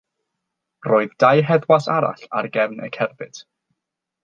Roedd dau heddwas arall ar gefn y cerbyd.